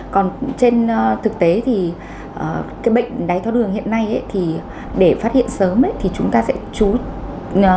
còn trên thực tế thì cái bệnh đai thác đường hiện nay thì để phát hiện sớm thì chúng ta sẽ chú ý